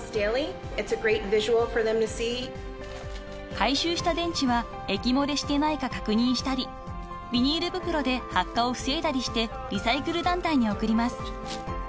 ［回収した電池は液漏れしてないか確認したりビニール袋で発火を防いだりしてリサイクル団体に送ります］